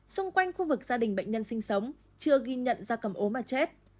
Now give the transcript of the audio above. xung quanh khu vực gia đình bệnh nhân sinh sống chưa ghi nhận da cầm ốm và chết